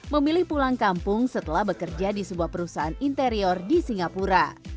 memilih pulang kampung setelah bekerja di sebuah perusahaan interior di singapura